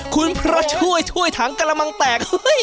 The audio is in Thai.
คุณพระช่วยช่วยถังกระมังแตก